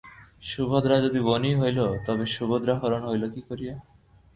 সুভদ্রা যদি বোনই হইল তবে সুভদ্রাহরণ হইল কী করিয়া।